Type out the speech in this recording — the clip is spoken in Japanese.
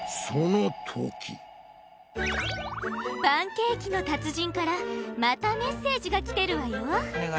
パンケーキの達人からまたメッセージが来てるわよ。